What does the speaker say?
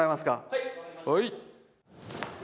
はい。